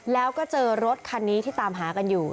แล้วก็เจอรถคันนี้ที่ตามหากันอยู่